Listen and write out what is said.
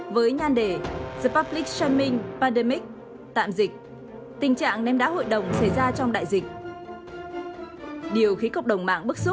với nhan đề the public chairman